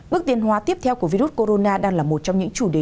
bước tiến hóa tiếp theo của virus corona đang là một trong những chủ đề